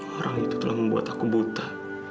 orang itu telah membuat aku buta